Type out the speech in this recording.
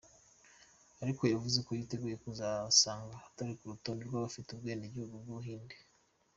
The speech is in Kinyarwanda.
Ariko yavuze ko yiteguye kuzasanga atari ku rutonde rw'abafite ubwenegihugu bw'Ubuhinde.